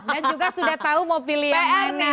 dan juga sudah tahu mau pilih yang mana